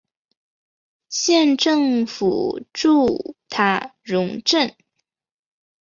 县政府驻塔荣镇。